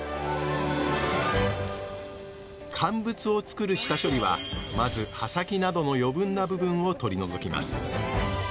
乾物をつくる下処理はまず葉先などの余分な部分を取り除きます。